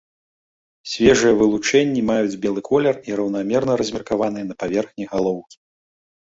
Свежыя вылучэнні маюць белы колер і раўнамерна размеркаваны на паверхні галоўкі.